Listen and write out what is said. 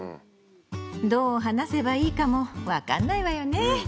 どう話せばいいかもわかんないわよね。